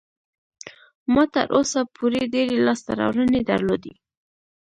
ما تر اوسه پورې ډېرې لاسته راوړنې درلودې.